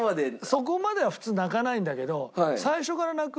そこまでは普通泣かないんだけど。